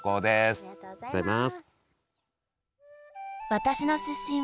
ありがとうございます。